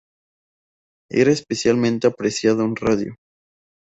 Era especialmente apreciado en radio.